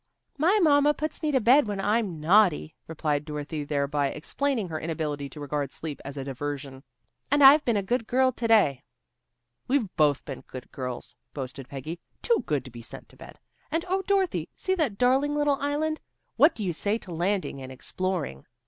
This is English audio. "My mamma puts me to bed when I'm naughty," replied Dorothy, thereby explaining her inability to regard sleep as a diversion. "And I've been a good girl to day." "We've both been good girls," boasted Peggy. "Too good to be sent to bed. And oh, Dorothy, see that darling little island! What do you say to landing and exploring?"